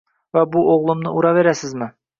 Va bu o‘g‘limni uraverasizmi?